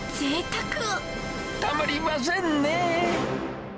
たまりませんね。